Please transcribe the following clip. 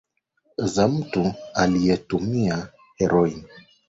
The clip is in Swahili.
za mtu aliyetumia heroin